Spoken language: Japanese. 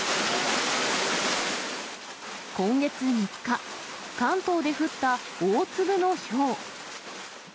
今月３日、関東で降った大粒のひょう。